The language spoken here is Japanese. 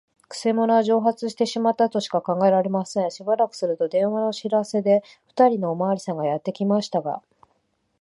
くせ者は蒸発してしまったとしか考えられません。しばらくすると、電話の知らせで、ふたりのおまわりさんがやってきましたが、